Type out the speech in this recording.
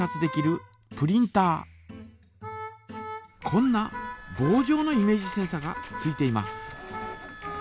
こんなぼうじょうのイメージセンサがついています。